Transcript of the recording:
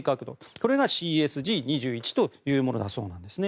これがＣＳＧ２１というものだそうです。